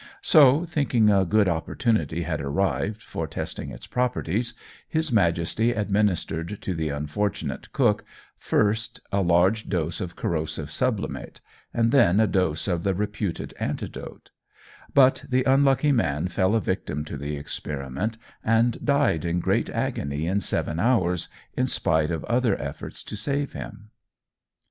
So, thinking a good opportunity had arrived for testing its properties, his Majesty administered to the unfortunate cook, first, a large dose of corrosive sublimate, and then a dose of the reputed antidote; but the unlucky man fell a victim to the experiment, and died in great agony in seven hours, in spite of other efforts to save him.